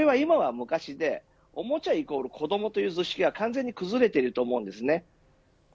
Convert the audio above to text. それは今は昔でおもちゃイコール子どもという図式が完全に崩れています。